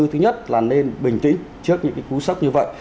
thứ nhất là nên bình tĩnh trước những cú sốc như vậy